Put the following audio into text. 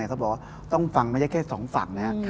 เขาบอกว่าต้องฟังไม่ใช่แค่สองฝั่งนะครับ